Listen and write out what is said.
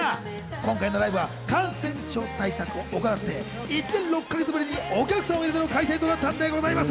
今回のライブは感染症対策を行って、１年６か月ぶりにお客さんを入れての開催となったんです。